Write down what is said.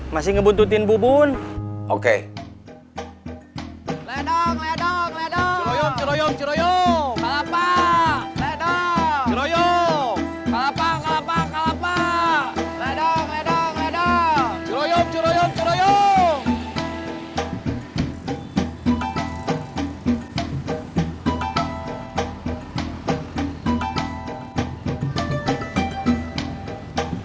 jangan lupa berlangganan ya